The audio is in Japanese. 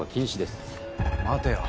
待てよ